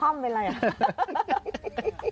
ต่างออกแล้วแมลงมันกินต่างออกแล้วแมลงมันกิน